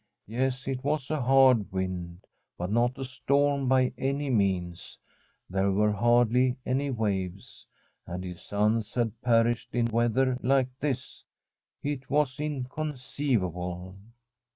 Yes, it was a hard wind, but not a storm by any means; there were hardly any waves. And his sons had per ished in weather like this I It was inconceivable.